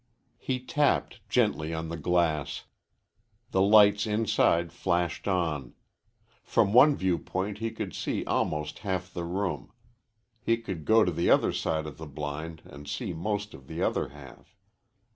He tapped gently on the glass. The lights inside flashed on. From one viewpoint he could see almost half the room. He could go to the other side of the blind and see most of the other half.